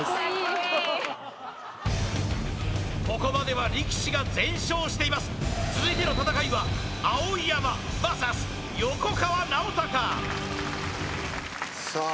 ここまでは力士が全勝しています続いての戦いは碧山ＶＳ横川尚隆さあ